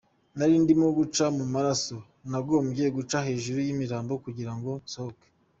Nari ndimo guca mu maraso…nagombye guca hejuru y’imirambo kugira ngo nsohoke.